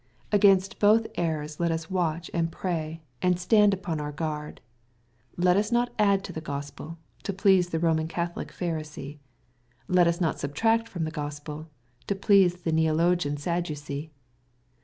Against both errors let us watch and pray, and stand upon our guard. Let us not add to the Gos pel, to please the Boman Catholic Pharisee. Let us not subtract from the Gk>Bpel, to please the Neologian Sadducee.